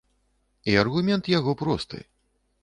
І аргумент яго просты.